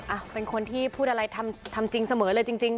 อ่ะเป็นคนที่พูดอะไรทำจริงเสมอเลยจริง